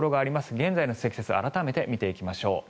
現在の積雪改めて見ていきましょう。